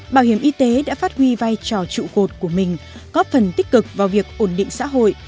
bảo hiểm y tế đã phát huy vai trò trụ cột của mình góp phần tích cực vào việc ổn định xã hội